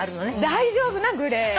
大丈夫なグレー。